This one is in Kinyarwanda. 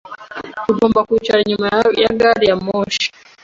Tugomba kwicara inyuma ya gari ya moshi